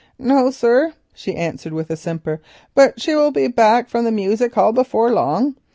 "No, sir," she answered with a simper, "but she will be back from the music hall before long.